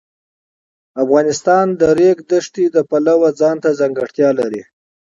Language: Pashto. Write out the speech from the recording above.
افغانستان د د ریګ دښتې د پلوه ځانته ځانګړتیا لري.